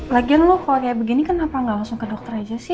lagian lo kalau kayak begini kenapa nggak langsung ke dokter aja sih